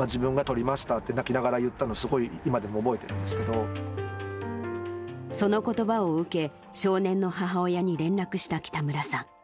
自分がとりましたって泣きながら言ったのをすごい、今でも覚えてそのことばを受け、少年の母親に連絡した北村さん。